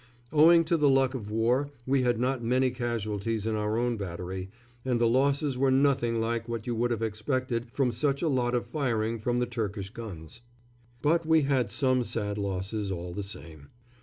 Owing to the luck of war we had not many casualties in our own battery, and the losses were nothing like what you would have expected from such a lot of firing from the Turkish guns. But we had some sad losses, all the same.